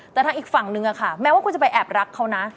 แต่ทางอีกฝั่งนึงค่ะแม้ว่าคุณจะไปแอบรักเขานะ